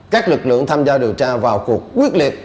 các lực lượng tham gia điều tra vào cuộc quyết liệt